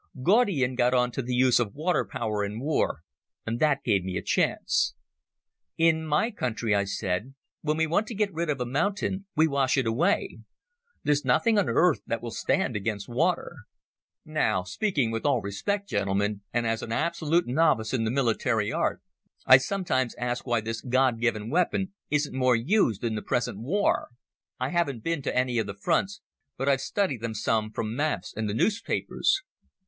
Gaudian got on to the use of water power in war, and that gave me a chance. "In my country," I said, "when we want to get rid of a mountain we wash it away. There's nothing on earth that will stand against water. Now, speaking with all respect, gentlemen, and as an absolute novice in the military art, I sometimes ask why this God given weapon isn't more used in the present war. I haven't been to any of the fronts, but I've studied them some from maps and the newspapers.